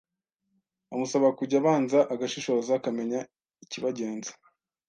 amusaba kujya abanza agashishoza akamenya ikibagenza.